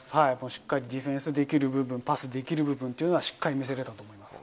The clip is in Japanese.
しっかりディフェンスできる部分、パスできる部分っていうのはしっかり見せれたと思います。